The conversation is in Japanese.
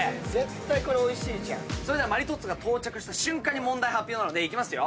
マリトッツォが到着した瞬間に問題発表なのでいきますよ。